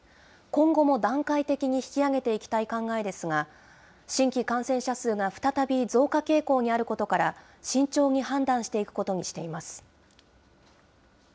今後も段階的に引き上げていきたい考えですが、新規感染者数が再び増加傾向にあることから、慎重に判断していくことにしています。